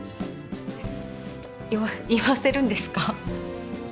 言わ言わせるんですか